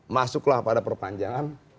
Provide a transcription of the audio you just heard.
masuklah pada perpanjangan